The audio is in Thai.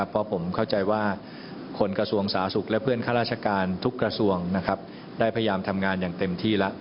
เพราะผมเข้าใจว่าคนกระทรวงสาธารณสุขและเพื่อนข้าราชการทุกกระทรวงได้พยายามทำงานอย่างเต็มที่แล้ว